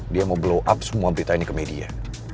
dia mau blow up semua berita ini ke media